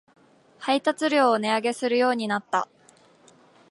配達料を値上げするようになった